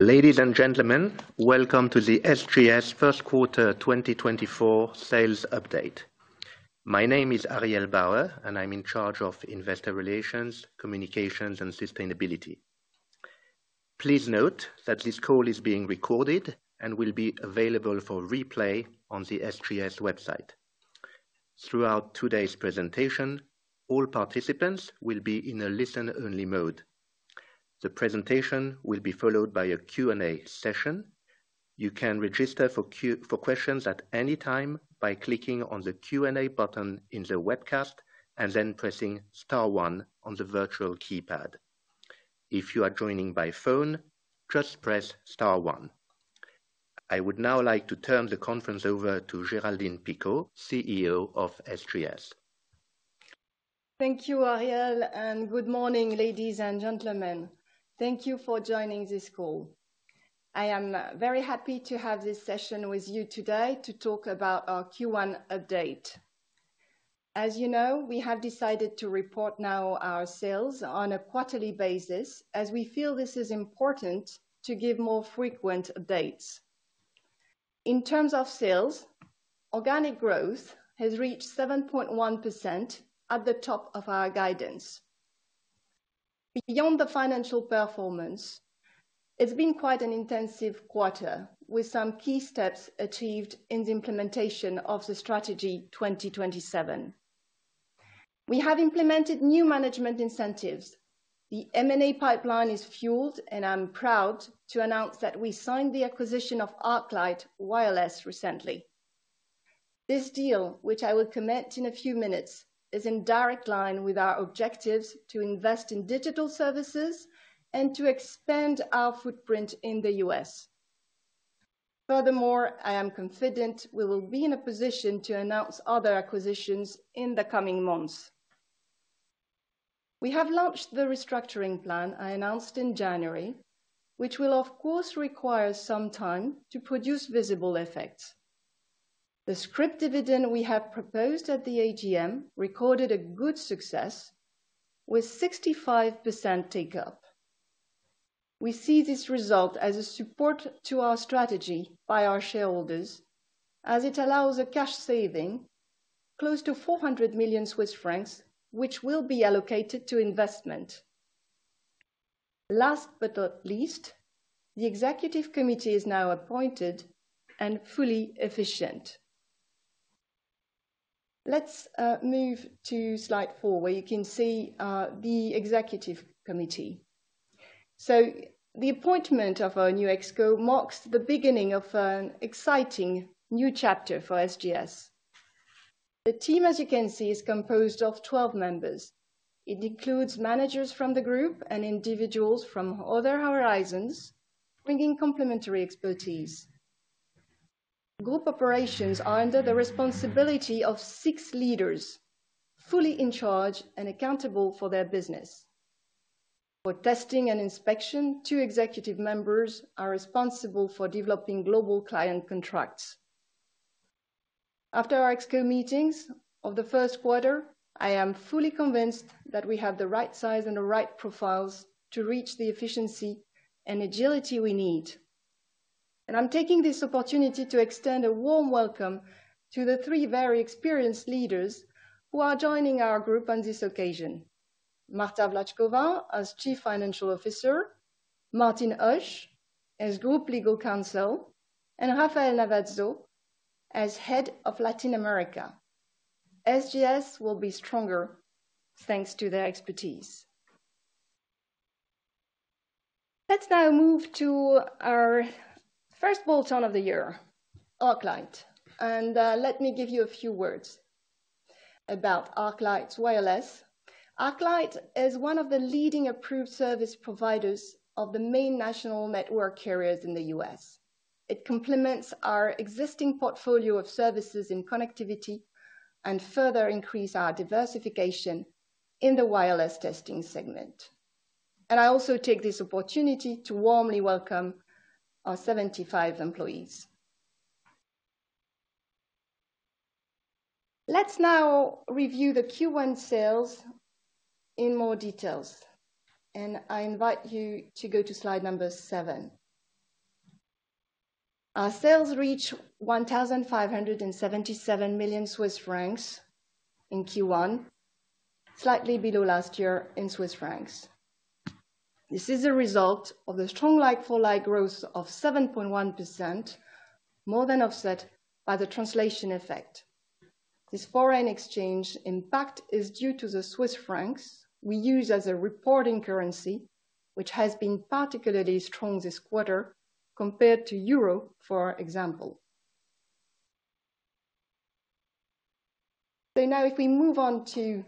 Ladies and gentlemen, welcome to the SGS First Quarter 2024 Sales Update. My name is Ariel Bauer, and I'm in charge of investor relations, communications, and sustainability. Please note that this call is being recorded and will be available for replay on the SGS website. Throughout today's presentation, all participants will be in a listen-only mode. The presentation will be followed by a Q&A session. You can register for questions at any time by clicking on the Q&A button in the webcast and then pressing star one on the virtual keypad. If you are joining by phone, just press star one. I would now like to turn the conference over to Géraldine Picaud, CEO of SGS. Thank you, Ariel, and good morning, ladies and gentlemen. Thank you for joining this call. I am very happy to have this session with you today to talk about our Q1 update. As you know, we have decided to report now our sales on a quarterly basis as we feel this is important to give more frequent updates. In terms of sales, organic growth has reached 7.1% at the top of our guidance. Beyond the financial performance, it's been quite an intensive quarter, with some key steps achieved in the implementation of the Strategy 2027. We have implemented new management incentives. The M&A pipeline is fueled, and I'm proud to announce that we signed the acquisition of ArcLight Wireless recently. This deal, which I will comment in a few minutes, is in direct line with our objectives to invest in digital services and to expand our footprint in the U.S. Furthermore, I am confident we will be in a position to announce other acquisitions in the coming months. We have launched the restructuring plan I announced in January, which will, of course, require some time to produce visible effects. The scrip dividend we have proposed at the AGM recorded a good success with 65% take-up. We see this result as a support to our strategy by our shareholders, as it allows a cash saving close to 400 million Swiss francs, which will be allocated to investment. Last but not least, the Executive Committee is now appointed and fully efficient. Let's move to slide 4, where you can see the Executive Committee. The appointment of our new ExCo marks the beginning of an exciting new chapter for SGS. The team, as you can see, is composed of 12 members. It includes managers from the group and individuals from other horizons, bringing complementary expertise. Group operations are under the responsibility of 6 leaders, fully in charge and accountable for their business. For Testing and Inspection, two executive members are responsible for developing global client contracts. After our ExCo meetings of the first quarter, I am fully convinced that we have the right size and the right profiles to reach the efficiency and agility we need. I'm taking this opportunity to extend a warm welcome to the 3 very experienced leaders who are joining our group on this occasion. Marta Vlatchkova as Chief Financial Officer, Martin Oesch as Group Legal Counsel, and Rafael Navazo as Head of Latin America. SGS will be stronger, thanks to their expertise. Let's now move to our first bulletin of the year, ArcLight. Let me give you a few words about ArcLight Wireless. ArcLight is one of the leading approved service providers of the main national network carriers in the U.S. It complements our existing portfolio of services in connectivity and further increase our diversification in the wireless testing segment. I also take this opportunity to warmly welcome our 75 employees. Let's now review the Q1 sales in more details, and I invite you to go to slide number 7. Our sales reached 1,577 million Swiss francs in Q1, slightly below last year in Swiss francs. This is a result of the strong like-for-like growth of 7.1%, more than offset by the translation effect. This foreign exchange impact is due to the Swiss francs we use as a reporting currency, which has been particularly strong this quarter compared to euro, for example. So now if we move on to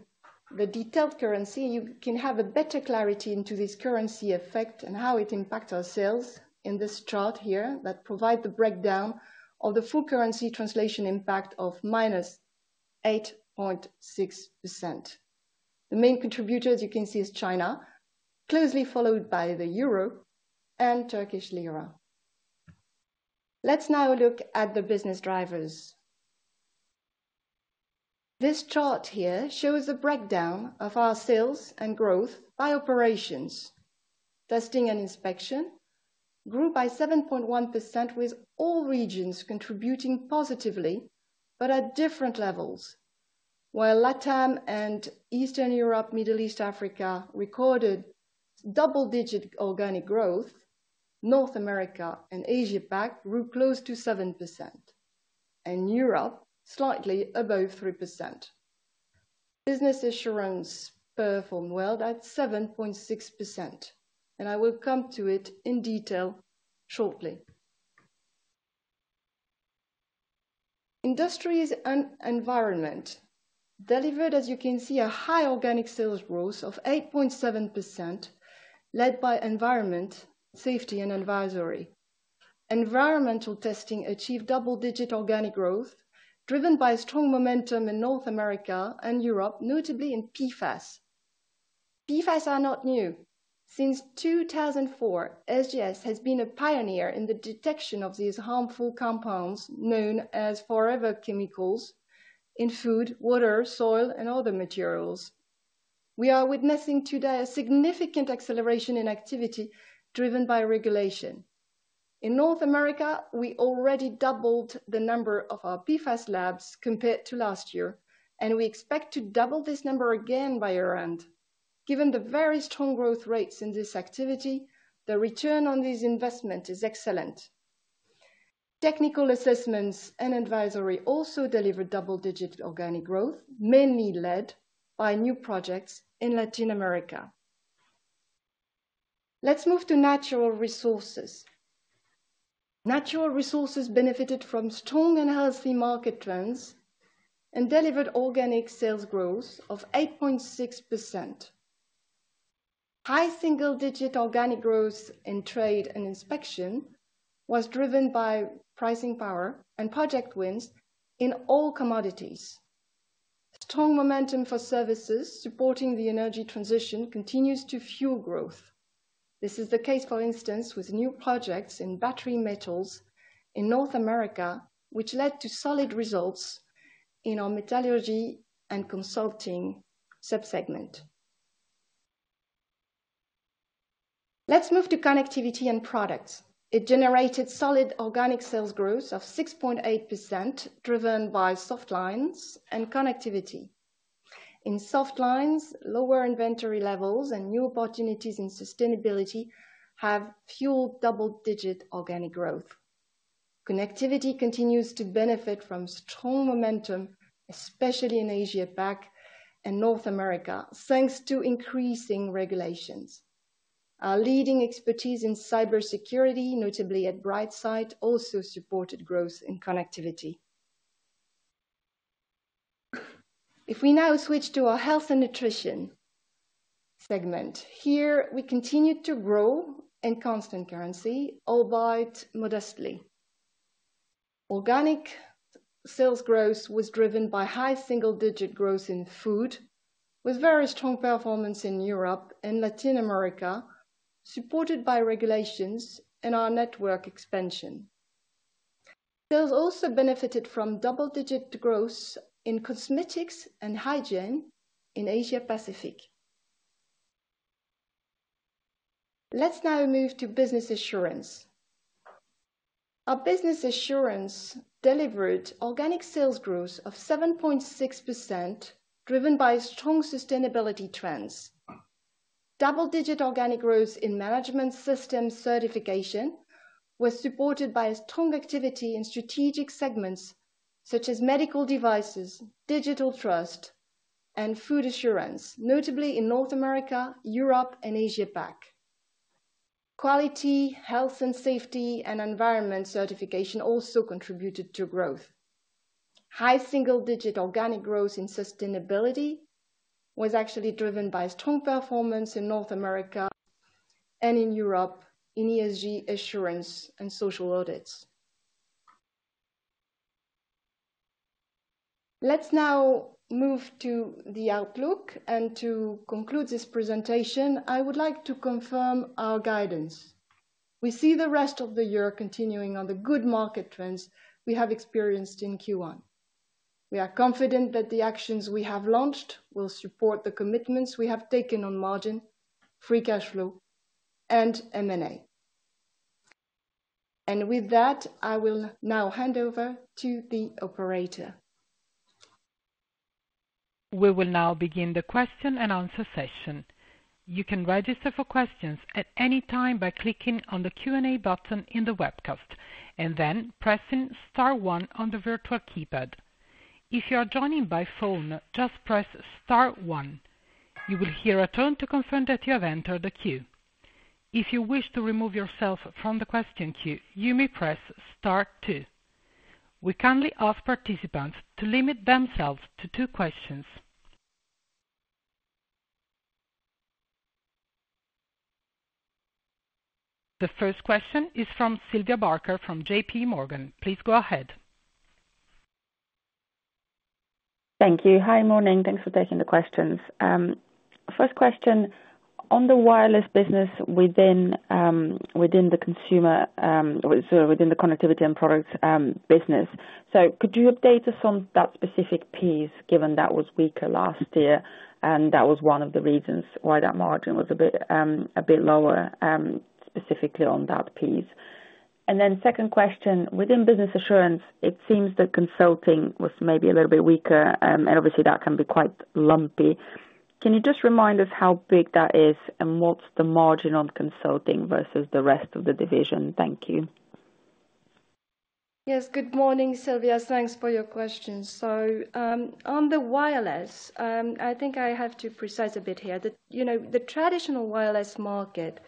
the detailed currency, you can have a better clarity into this currency effect and how it impacts our sales in this chart here that provide the breakdown of the full currency translation impact of -8.6%. The main contributor, as you can see, is China, closely followed by the euro and Turkish lira. Let's now look at the business drivers. This chart here shows the breakdown of our sales and growth by operations. Testing and Inspection grew by 7.1%, with all regions contributing positively, but at different levels. While LATAM and Eastern Europe, Middle East, Africa, recorded double-digit organic growth, North America and Asia Pac grew close to 7%, and Europe slightly above 3%. Business Assurance performed well at 7.6%, and I will come to it in detail shortly. Industries and Environment delivered, as you can see, a high organic sales growth of 8.7%, led by environment, safety, and advisory. Environmental testing achieved double-digit organic growth, driven by strong momentum in North America and Europe, notably in PFAS. PFAS are not new. Since 2004, SGS has been a pioneer in the detection of these harmful compounds, known as forever chemicals, in food, water, soil, and other materials. We are witnessing today a significant acceleration in activity driven by regulation. In North America, we already doubled the number of our PFAS labs compared to last year, and we expect to double this number again by year-end. Given the very strong growth rates in this activity, the return on this investment is excellent. Technical assessments and advisory also delivered double-digit organic growth, mainly led by new projects in Latin America. Let's move to Natural Resources. Natural Resources benefited from strong and healthy market trends and delivered organic sales growth of 8.6%. High single-digit organic growth in trade and inspection was driven by pricing power and project wins in all commodities. Strong momentum for services supporting the energy transition continues to fuel growth. This is the case, for instance, with new projects in battery metals in North America, which led to solid results in our Metallurgy and Consulting sub-segment. Let's move to Connectivity & Product. It generated solid organic sales growth of 6.8%, driven by Softlines and connectivity. In Softlines, lower inventory levels and new opportunities in sustainability have fueled double-digit organic growth. Connectivity continues to benefit from strong momentum, especially in Asia Pac and North America, thanks to increasing regulations. Our leading expertise in cybersecurity, notably at Brightsight, also supported growth in connectivity. If we now switch to our Health & Nutrition segment, here we continued to grow in constant currency, albeit modestly. Organic sales growth was driven by high single-digit growth in food, with very strong performance in Europe and Latin America, supported by regulations and our network expansion. Sales also benefited from double-digit growth in cosmetics and hygiene in Asia Pacific. Let's now move to Business Assurance. Our Business Assurance delivered organic sales growth of 7.6%, driven by strong sustainability trends. Double-digit organic growth in management systems certification was supported by a strong activity in strategic segments such as Medical Devices, Digital Trust, and Food Assurance, notably in North America, Europe, and Asia Pac. Quality, health and safety, and environment certification also contributed to growth. High single-digit organic growth in sustainability was actually driven by strong performance in North America and in Europe in ESG assurance and social audits. Let's now move to the outlook. To conclude this presentation, I would like to confirm our guidance. We see the rest of the year continuing on the good market trends we have experienced in Q1. We are confident that the actions we have launched will support the commitments we have taken on margin, free cash flow, and M&A. With that, I will now hand over to the operator. We will now begin the question-and-answer session. You can register for questions at any time by clicking on the Q&A button in the webcast and then pressing star one on the virtual keypad. If you are joining by phone, just press star one. You will hear a tone to confirm that you have entered the queue. If you wish to remove yourself from the question queue, you may press star two. We kindly ask participants to limit themselves to two questions. The first question is from Sylvia Barker from JPMorgan. Please go ahead. Thank you. Hi, morning. Thanks for taking the questions. First question, on the wireless business within the consumer, so within the connectivity and products business. So could you update us on that specific piece, given that was weaker last year, and that was one of the reasons why that margin was a bit lower, specifically on that piece? And then second question: within business assurance, it seems that consulting was maybe a little bit weaker, and obviously, that can be quite lumpy. Can you just remind us how big that is, and what's the margin on consulting versus the rest of the division? Thank you. Yes, good morning, Sylvia. Thanks for your questions. So, on the wireless, I think I have to precise a bit here. The, you know, the traditional wireless market,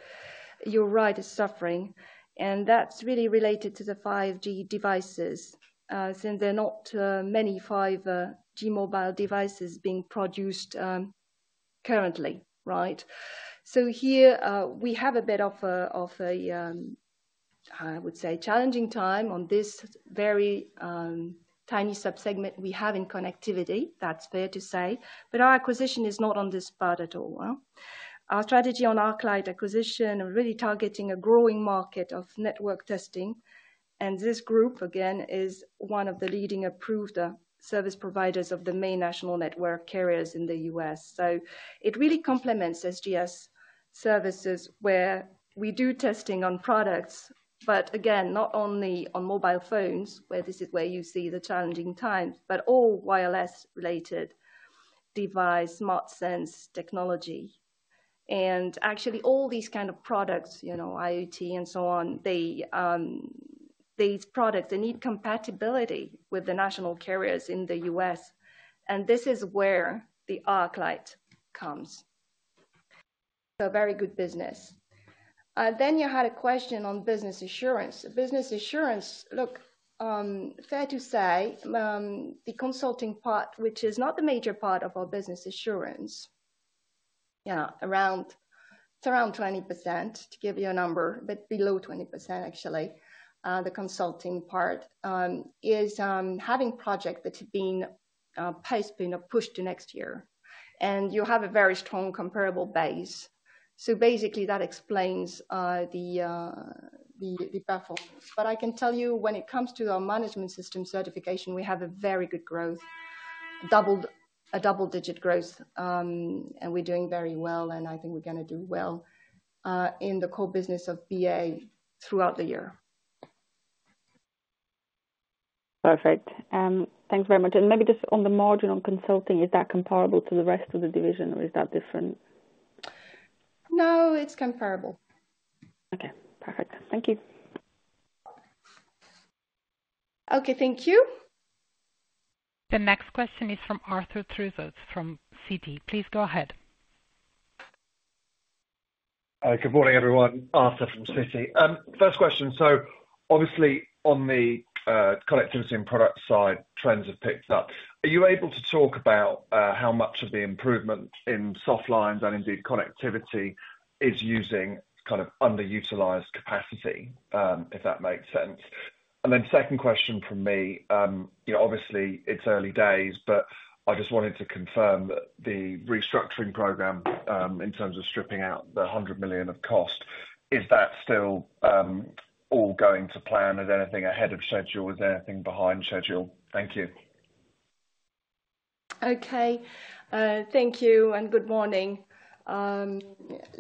you're right, is suffering, and that's really related to the 5G devices, since they're not many 5G mobile devices being produced, currently, right? So here, we have a bit of a challenging time on this very tiny sub-segment we have in connectivity. That's fair to say, but our acquisition is not on this part at all. Our strategy on ArcLight acquisition are really targeting a growing market of network testing, and this group, again, is one of the leading approved service providers of the main national network carriers in the U.S. So it really complements SGS services, where we do testing on products, but again, not only on mobile phones, where this is where you see the challenging times, but all wireless-related device, smart sense technology. And actually, all these kind of products, you know, IoT and so on, they, these products, they need compatibility with the national carriers in the U.S., and this is where the ArcLight comes. So very good business. Then you had a question on business assurance. Business assurance, look, fair to say, the consulting part, which is not the major part of our business assurance, yeah, around, it's around 20%, to give you a number, but below 20%, actually, the consulting part, is, having project that have been, pace been pushed to next year. And you have a very strong comparable base. Basically, that explains the performance. But I can tell you, when it comes to our management system certification, we have a very good growth, double-digit growth, and we're doing very well, and I think we're gonna do well in the core business of BA throughout the year. Perfect. Thanks very much. Maybe just on the margin on consulting, is that comparable to the rest of the division, or is that different? No, it's comparable. Okay, perfect. Thank you. Okay, thank you. The next question is from Arthur Truslove from Citi. Please go ahead. Good morning, everyone. Arthur from Citi. First question, so obviously, on the connectivity and product side, trends have picked up. Are you able to talk about how much of the improvement in Softlines and indeed, connectivity is using kind of underutilized capacity? If that makes sense. And then second question from me, yeah, obviously, it's early days, but I just wanted to confirm that the restructuring program in terms of stripping out 100 million of cost, is that still all going to plan? Is anything ahead of schedule? Is anything behind schedule? Thank you. Okay. Thank you, and good morning.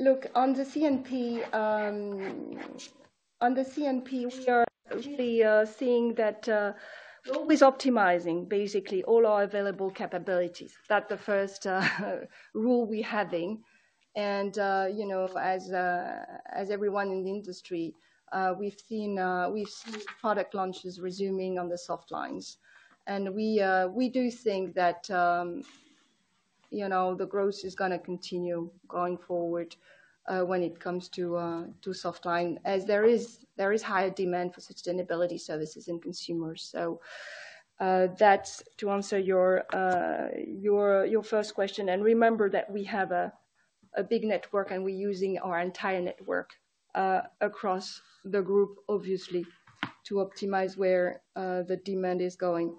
Look, on the CNP, on the CNP, we are really seeing that, we're always optimizing, basically, all our available capabilities. That's the first rule we having, and, you know, as everyone in the industry, we've seen, we've seen product launches resuming on the Softlines. And we do think that, you know, the growth is gonna continue going forward, when it comes to, to Softline, as there is, there is higher demand for sustainability services in consumers. So, that's to answer your, your first question. And remember that we have a big network, and we're using our entire network, across the group, obviously, to optimize where the demand is going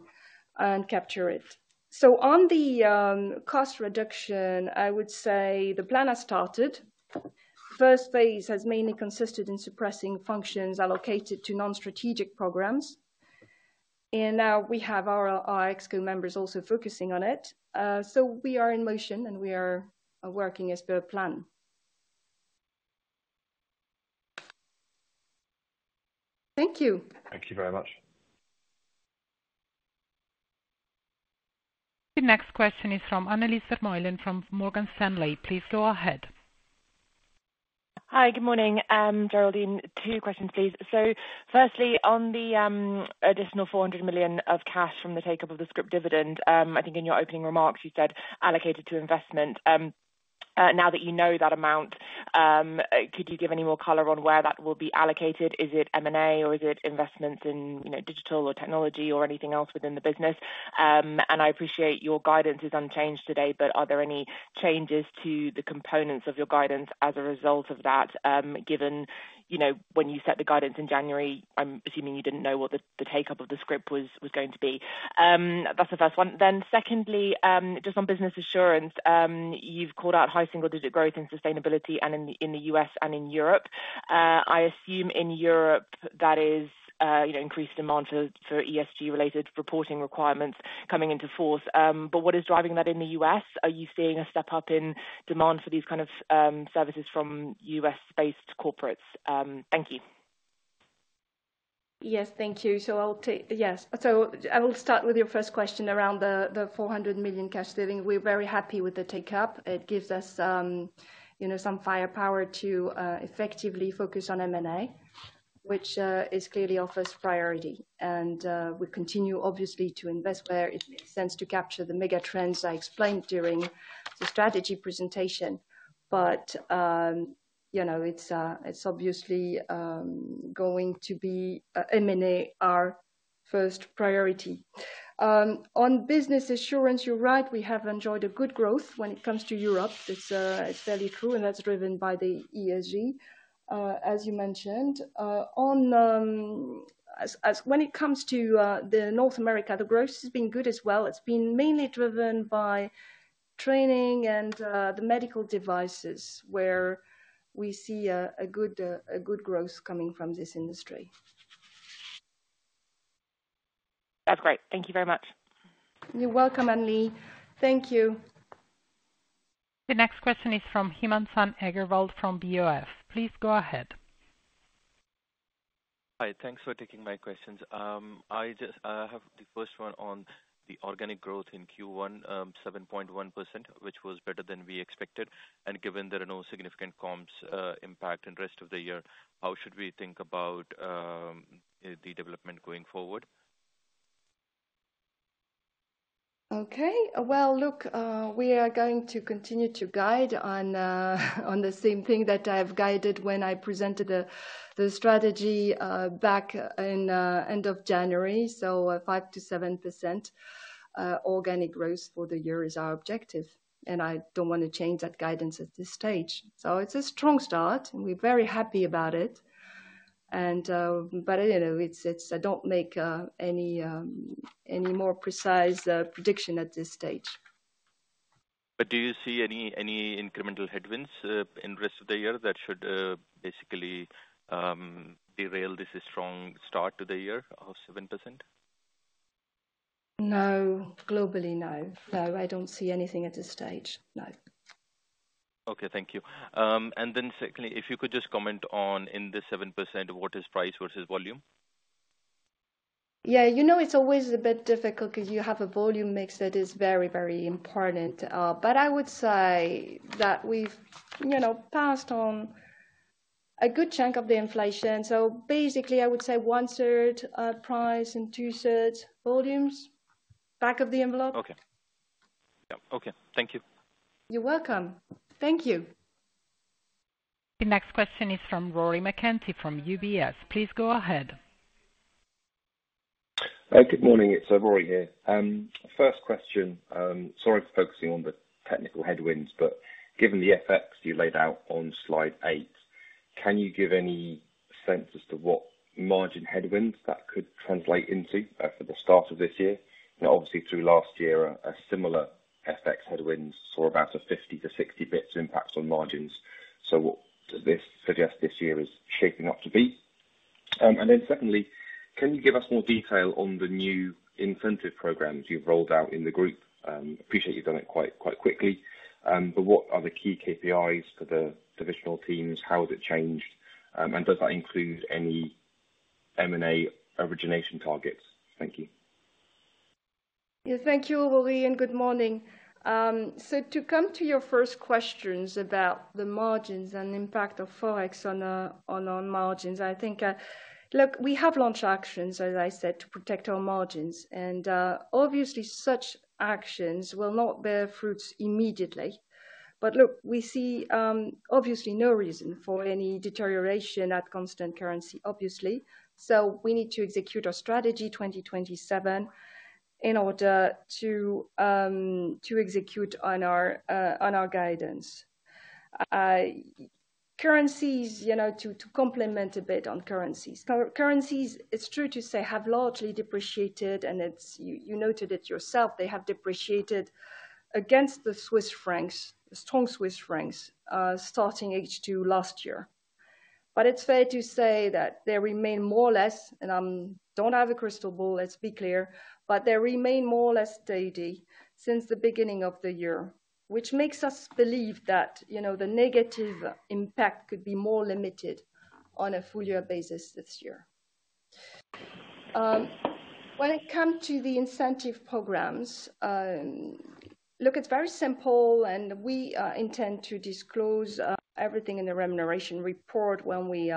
and capture it. So on the cost reduction, I would say the plan has started. First phase has mainly consisted in suppressing functions allocated to non-strategic programs. And now we have our ExCo members also focusing on it. So we are in motion, and we are working as per plan. Thank you. Thank you very much. The next question is from Annelies Vermeulen, from Morgan Stanley. Please go ahead. Hi, good morning. Geraldine, two questions, please. So firstly, on the additional 400 million of cash from the take-up of the scrip dividend, I think in your opening remarks, you said, allocated to investment. Now that you know that amount, could you give any more color on where that will be allocated? Is it M&A or is it investments in, you know, digital or technology or anything else within the business? And I appreciate your guidance is unchanged today, but are there any changes to the components of your guidance as a result of that, given, you know, when you set the guidance in January, I'm assuming you didn't know what the, the take-up of the scrip was, was going to be? That's the first one. Then secondly, just on business assurance, you've called out high single digit growth and sustainability and in the U.S. and in Europe. I assume in Europe, that is, you know, increased demand for ESG-related reporting requirements coming into force. But what is driving that in the U.S.? Are you seeing a step up in demand for these kind of services from U.S.-based corporates? Thank you. Yes, thank you. So I'll take—yes, so I will start with your first question around the 400 million cash saving. We're very happy with the take-up. It gives us, you know, some firepower to effectively focus on M&A, which is clearly our first priority. And we continue, obviously, to invest where it makes sense to capture the mega trends I explained during the strategy presentation. But, you know, it's, it's obviously going to be M&A, our first priority. On business assurance, you're right, we have enjoyed a good growth when it comes to Europe. It's fairly true, and that's driven by the ESG, as you mentioned. On, as when it comes to the North America, the growth has been good as well. It's been mainly driven by training and the Medical Devices, where we see a good growth coming from this industry. That's great. Thank you very much. You're welcome, Annelies. Thank you. The next question is from Himanshu Agarwal from Bank of America. Please go ahead. Hi, thanks for taking my questions. I just have the first one on the organic growth in Q1, 7.1%, which was better than we expected, and given there are no significant comps impact in rest of the year, how should we think about the development going forward? Okay. Well, look, we are going to continue to guide on, on the same thing that I've guided when I presented the, the strategy, back in, end of January. So, 5%-7% organic growth for the year is our objective, and I don't want to change that guidance at this stage. So it's a strong start, and we're very happy about it. And, but I don't know, it's, it's—I don't make, any, any more precise, prediction at this stage. But do you see any incremental headwinds in rest of the year that should basically derail this strong start to the year of 7%? No. Globally, no. No, I don't see anything at this stage. No. Okay, thank you. And then secondly, if you could just comment on, in the 7%, what is price versus volume? Yeah, you know, it's always a bit difficult because you have a volume mix that is very, very important. But I would say that we've, you know, passed on a good chunk of the inflation. So basically, I would say 1/3 price and 2/3 volumes, back of the envelope. Okay. Yep, okay. Thank you. You're welcome. Thank you. The next question is from Rory McKenzie from UBS. Please go ahead. Good morning, it's Rory here. First question, sorry for focusing on the technical headwinds, but given the FX you laid out on slide 8, can you give any sense as to what margin headwinds that could translate into for the start of this year? Now, obviously, through last year, a similar FX headwinds saw about a 50-60 bits impact on margins. So what does this suggest this year is shaping up to be? And then secondly, can you give us more detail on the new incentive programs you've rolled out in the group? Appreciate you've done it quite, quite quickly. But what are the key KPIs for the divisional teams? How has it changed? And does that include any M&A origination targets? Thank you. Yeah, thank you, Rory, and good morning. So to come to your first questions about the margins and impact of Forex on our margins, I think... Look, we have launched actions, as I said, to protect our margins, and obviously, such actions will not bear fruits immediately. But look, we see obviously no reason for any deterioration at constant currency, obviously. So we need to execute our strategy 2027 in order to execute on our guidance. Currencies, you know, to complement a bit on currencies. Currencies, it's true to say, have largely depreciated, and it's-- you noted it yourself, they have depreciated against the Swiss francs, strong Swiss francs, starting H2 last year. It's fair to say that they remain more or less, and I don't have a crystal ball, let's be clear, but they remain more or less steady since the beginning of the year, which makes us believe that, you know, the negative impact could be more limited on a full year basis this year. When it comes to the incentive programs, look, it's very simple, and we intend to disclose everything in the remuneration report when we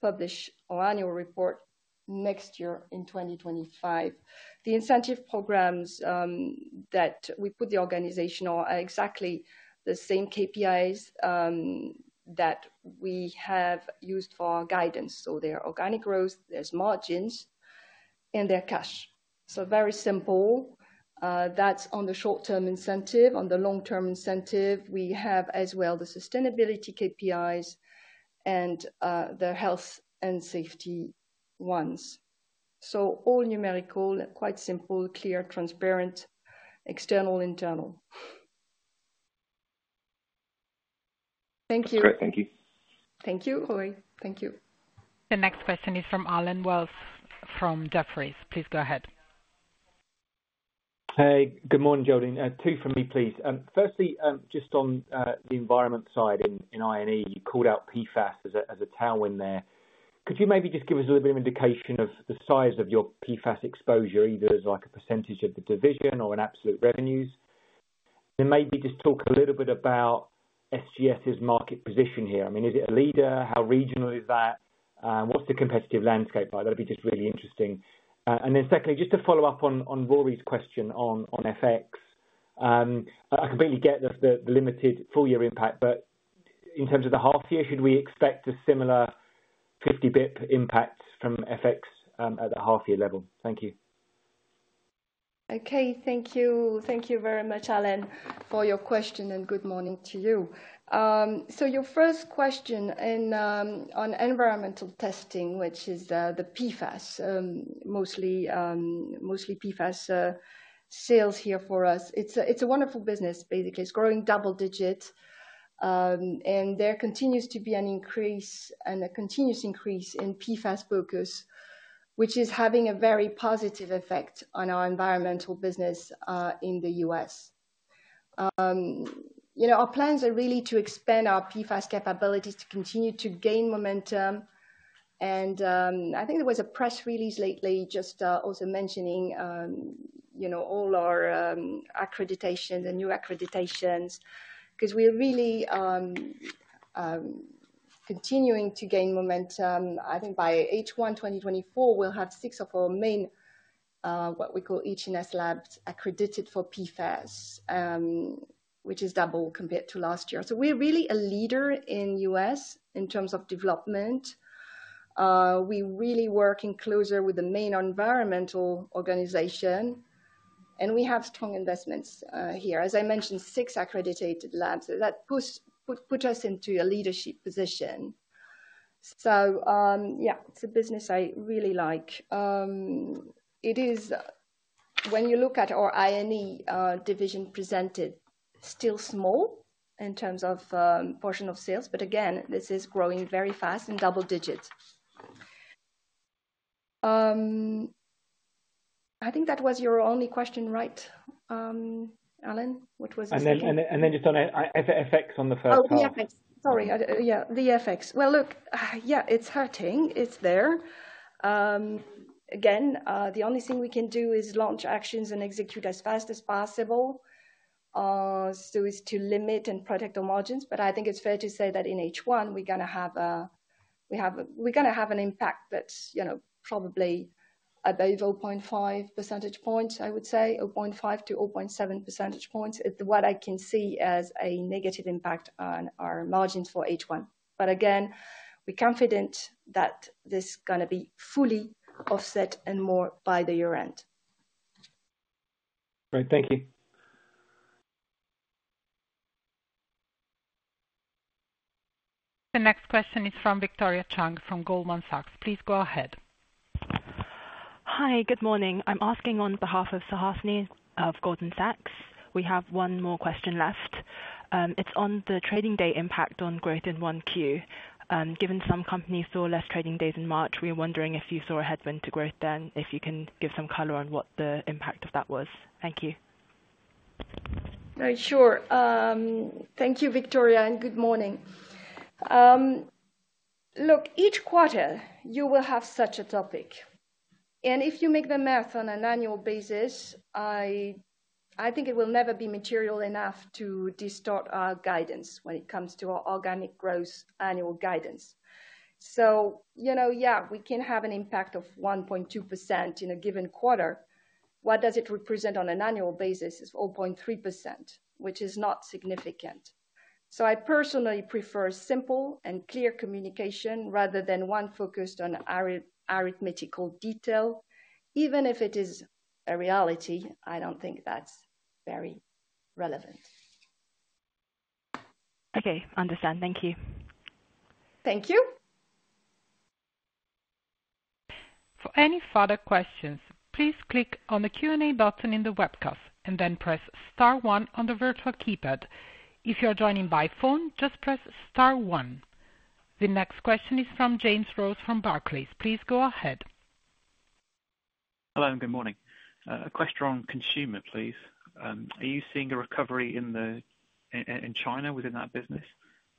publish our annual report next year, in 2025. The incentive programs that we put the organization on are exactly the same KPIs that we have used for our guidance. So there are organic growth, there's margins, and there's cash. So very simple. That's on the short-term incentive. On the long-term incentive, we have as well the sustainability KPIs and the health and safety ones. So all numerical, quite simple, clear, transparent, external, internal. Thank you. Great. Thank you. Thank you, Rory. Thank you. The next question is from Allen Wells, from Jefferies. Please go ahead. Hey, good morning, Geraldine. Two from me, please. Firstly, just on the environment side in INE, you called out PFAS as a tailwind there. Could you maybe just give us a little bit of indication of the size of your PFAS exposure, either as like a percentage of the division or in absolute revenues? Then maybe just talk a little bit about SGS's market position here. I mean, is it a leader? How regional is that? What's the competitive landscape like? That'd be just really interesting. And then secondly, just to follow up on Rory's question on FX. I completely get the limited full year impact, but in terms of the half year, should we expect a similar 50 basis points impact from FX at the half year level? Thank you. Okay, thank you. Thank you very much, Alan, for your question, and good morning to you. So your first question in, on environmental testing, which is, the PFAS, mostly, mostly PFAS, sales here for us. It's a, it's a wonderful business. Basically, it's growing double digit, and there continues to be an increase and a continuous increase in PFAS focus, which is having a very positive effect on our environmental business, in the U.S. You know, our plans are really to expand our PFAS capabilities to continue to gain momentum, and, I think there was a press release lately, just, also mentioning, you know, all our, accreditation, the new accreditations. 'Cause we are really, continuing to gain momentum. I think by H1 2024, we'll have six of our main, what we call H&S labs, accredited for PFAS, which is double compared to last year. So we're really a leader in U.S. in terms of development. We're really working closer with the main environmental organization, and we have strong investments, here. As I mentioned, six accredited labs. That puts us into a leadership position. So, yeah, it's a business I really like. It is. When you look at our INE, division presented, still small in terms of, portion of sales, but again, this is growing very fast in double digits. I think that was your only question, right, Alan? What was the second one? And then just on FX on the first half. Oh, the FX. Sorry, yeah, the FX. Well, look, yeah, it's hurting. It's there. Again, the only thing we can do is launch actions and execute as fast as possible, so as to limit and protect our margins. But I think it's fair to say that in H1, we're gonna have an impact that's, you know, probably above 0.5 percentage points. I would say 0.5-0.7 percentage points is what I can see as a negative impact on our margins for H1. But again, we're confident that this is gonna be fully offset and more by the year-end. Great. Thank you. The next question is from Victoria Chung, from Goldman Sachs. Please go ahead. Hi, good morning. I'm asking on behalf of Suhasini, of Goldman Sachs. We have one more question left. It's on the trading day impact on growth in 1Q. Given some companies saw less trading days in March, we are wondering if you saw a headwind to growth, then if you can give some color on what the impact of that was. Thank you. Sure. Thank you, Victoria, and good morning. Look, each quarter you will have such a topic, and if you make the math on an annual basis, I, I think it will never be material enough to distort our guidance when it comes to our organic growth annual guidance. So, you know, yeah, we can have an impact of 1.2% in a given quarter. What does it represent on an annual basis? It's 4.3%, which is not significant. So I personally prefer simple and clear communication rather than one focused on arithmetical detail. Even if it is a reality, I don't think that's very relevant. Okay, understand. Thank you. Thank you. For any further questions, please click on the Q&A button in the webcast and then press star one on the virtual keypad. If you are joining by phone, just press star one. The next question is from James Rose, from Barclays. Please go ahead. Hello, and good morning. A question on consumer, please. Are you seeing a recovery in China within that business?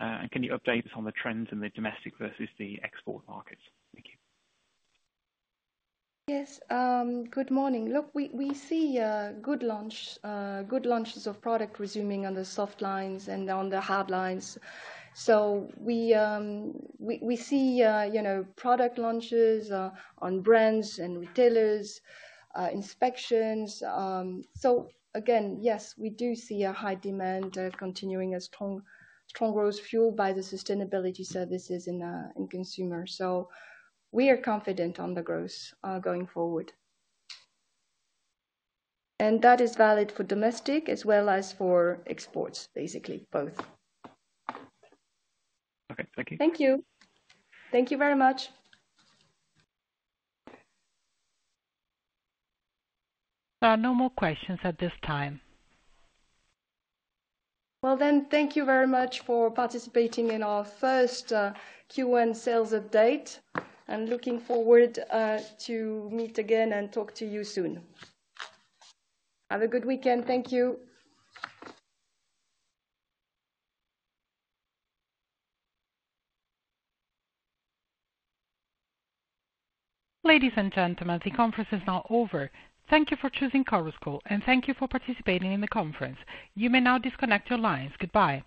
And can you update us on the trends in the domestic versus the export markets? Thank you. Yes, good morning. Look, we see good launch, good launches of product resuming on the Softlines and on the Hardlines. So we see, you know, product launches on brands and retailers, inspections. So again, yes, we do see a high demand continuing, a strong, strong growth fueled by the sustainability services in consumer. So we are confident on the growth going forward. And that is valid for domestic as well as for exports, basically both. Okay, thank you. Thank you. Thank you very much. There are no more questions at this time. Well, then, thank you very much for participating in our first Q1 sales update. I'm looking forward to meet again and talk to you soon. Have a good weekend. Thank you. Ladies and gentlemen, the conference is now over. Thank you for choosing Chorus Call, and thank you for participating in the conference. You may now disconnect your lines. Goodbye.